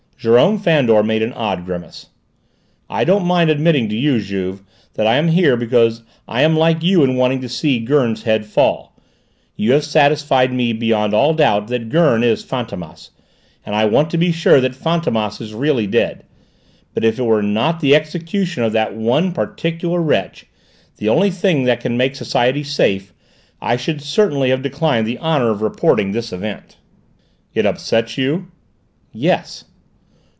Jérôme Fandor made an odd grimace. "I don't mind admitting to you, Juve, that I am here because I am like you in wanting to see Gurn's head fall; you have satisfied me beyond all doubt that Gurn is Fantômas, and I want to be sure that Fantômas is really dead. But if it were not the execution of that one particular wretch, the only thing that can make society safe, I should certainly have declined the honour of reporting this event." "It upsets you?" "Yes."